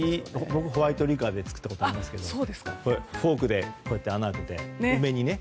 僕、ホワイトリカーでつくったことありますけどフォークで、穴を開けて梅にね。